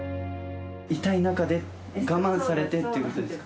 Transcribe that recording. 痛い中で我慢されてってことですか？